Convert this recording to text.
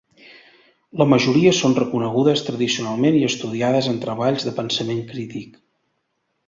La majoria són reconegudes tradicionalment i estudiades en treballs de pensament crític.